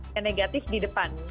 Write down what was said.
yang negatif di depan